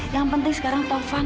yang penting sekarang taufan